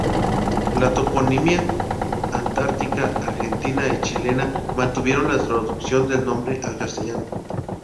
La toponimia antártica argentina y chilena mantuvieron la traducción del nombre al castellano.